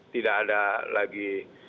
tidak ada lagi